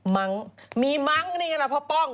มั้งมีมั้งนี่ไงล่ะพ่อป้อง